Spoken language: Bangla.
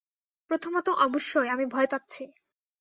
প্রথমত, অবশ্যই, আমি ভয় পাচ্ছি।